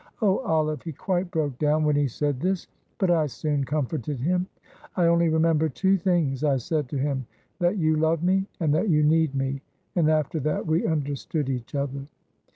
Oh, Olive, he quite broke down when he said this, but I soon comforted him. 'I only remember two things,' I said to him, 'that you love me, and that you need me.' And after that we understood each other."